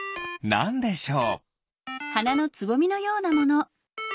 なんでしょう？